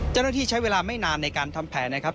เจ้าหน้าที่ใช้เวลาไม่นานในการทำแผนนะครับ